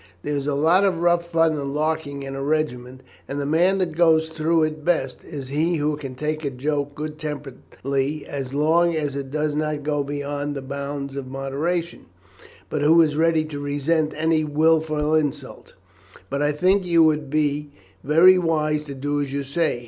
There is a lot of rough fun and larking in a regiment, and the man that goes through it best, is he who can take a joke good temperedly as long as it does not go beyond the bounds of moderation, but who is ready to resent any wilful insult: but I think you would be very wise to do as you say.